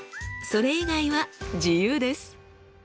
それ以外は自由です。